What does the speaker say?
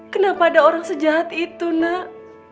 kenapa ada orang sejahat itu nak